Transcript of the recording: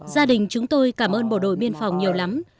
gia đình chúng tôi cảm ơn bộ đội biên phòng nhiều lắm